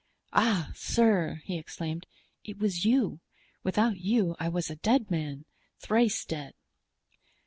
"Ah, sir," he exclaimed, "it was you! Without you I was a dead man—thrice dead."